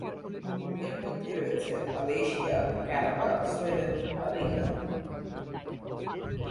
এর মধ্যে রয়েছে মালয়েশিয়া, কানাডা, সুইডেন আর ইংল্যান্ড।